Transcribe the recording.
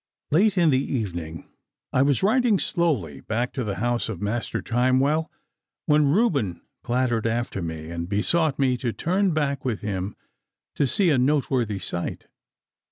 Late in the evening I was riding slowly back to the house of Master Timewell when Reuben clattered after me, and besought me to turn back with him to see a noteworthy sight.